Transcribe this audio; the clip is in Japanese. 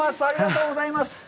ありがとうございます。